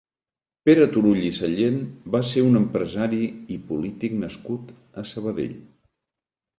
Pere Turull i Sallent va ser un empresari i polític nascut a Sabadell.